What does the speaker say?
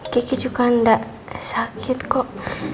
kiki juga tidak sakit kok